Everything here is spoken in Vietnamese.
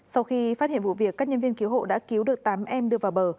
sau khi phát hiện vụ việc các nhân viên cứu hộ đã cứu được tám em đưa vào bờ